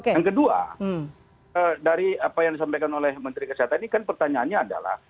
yang kedua dari apa yang disampaikan oleh menteri kesehatan ini kan pertanyaannya adalah